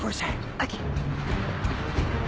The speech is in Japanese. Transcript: あっ。